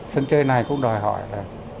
sân chơi này cũng đòi hỏi là